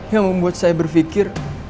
yang membuat saya berpikir